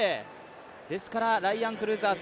ですから、ライアン・クルーザー、